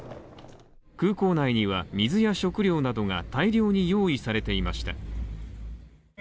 空港内には水や食料などが大量に用意されていました。